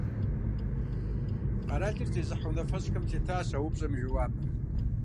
Къэралыр зезыхьэ унафэщӀхэм елъытащ а упщӀэм и жэуапыр.